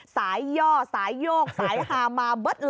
สายย่อสายโยกสายฮามา